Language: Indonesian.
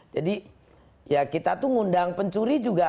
jadi ya kita itu ngundang pencuri juga